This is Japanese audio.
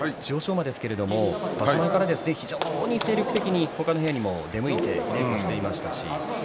馬ですが場所前から非常に精力的に他の部屋にも出向いていました。